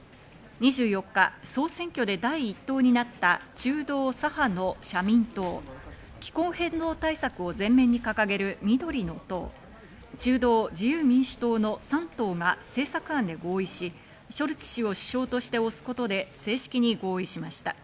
２４日、総選挙で第１党になった中道・左派の社民党、気候変動対策を前面に掲げる緑の党、中道・自由民主党の３党が政策案で合意し、ショルツ氏を首相として推すことで正式に合意しました。